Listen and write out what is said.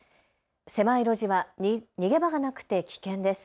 狭い路地は逃げ場がなくて危険です。